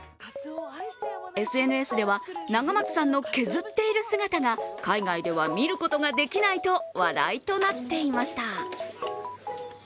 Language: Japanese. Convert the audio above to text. ＳＮＳでは、永松さんの削っている姿が海外では見ることができないと話題になっていました。